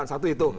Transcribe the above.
kan satu itu